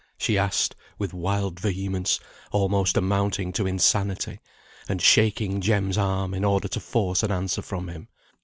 she asked with wild vehemence, almost amounting to insanity, and shaking Jem's arm in order to force an answer from him.